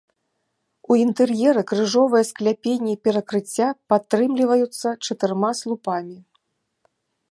У інтэр'еры крыжовыя скляпенні перакрыцця падтрымліваюцца чатырма слупамі.